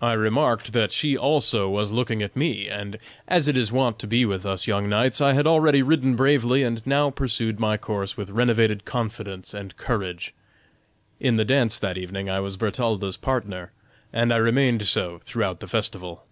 I remarked that she also was looking at me, and, as it is wont to be with us young knights, I had already ridden bravely, and now pursued my course with renovated confidence and courage. In the dance that evening I was Bertalda's partner, and I remained so throughout the festival."